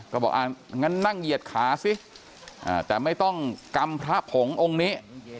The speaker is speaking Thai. ก็บอกงั้นนั่งเหยียดขาสิแต่ไม่ต้องกำพระผงองค์นี้